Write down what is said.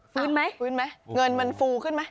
ฟื้นมั้ยฟื้นมั้ยเงินมันฟูขึ้นมั้ย